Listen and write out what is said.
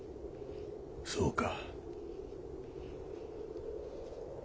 そうか。